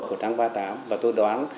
của tháng ba mươi tám và tôi đoán